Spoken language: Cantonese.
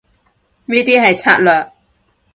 呢啲係策略